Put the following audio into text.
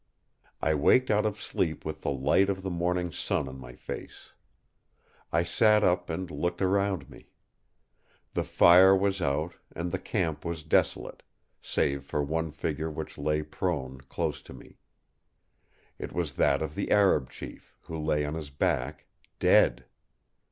"I waked out of sleep with the light of the morning sun on my face. I sat up and looked around me. The fire was out, and the camp was desolate; save for one figure which lay prone close to me. It was that of the Arab chief, who lay on his back, dead.